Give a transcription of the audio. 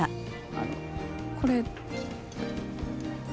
あのこれ。